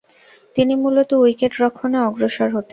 তিনি মূলতঃ উইকেট-রক্ষণে অগ্রসর হতেন।